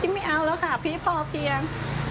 ไม่เอาแล้วค่ะพี่พอเพียง